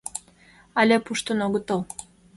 Але пуштын огытыл.